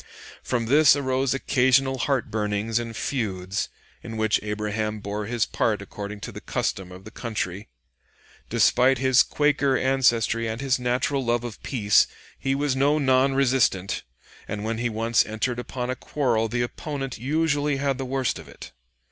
From this arose occasional heart burnings and feuds, in which Abraham bore his part according to the custom of the country. Despite his Quaker ancestry and his natural love of peace, he was no non resistant, and when he once entered upon a quarrel the opponent usually had the worst of it.